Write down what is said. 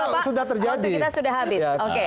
karena sudah terjadi waktu kita sudah habis